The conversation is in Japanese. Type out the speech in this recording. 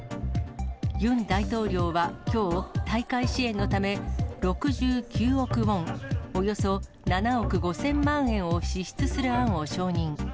ユン大統領はきょう、大会支援のため、６９億ウォン、およそ７億５０００万円を支出する案を承認。